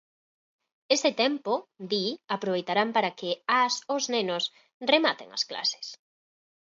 Ese tempo, di, aproveitarán para que as os nenos "rematen as clases".